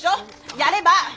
やれば！